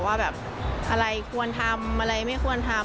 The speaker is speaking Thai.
ว่าแบบอะไรควรทำอะไรไม่ควรทำ